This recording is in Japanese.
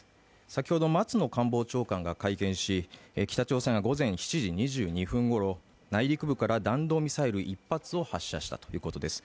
先ほど松野官房長官が会見し北朝鮮が午前７時２２分頃内陸部から弾道ミサイル１発を発射したということです。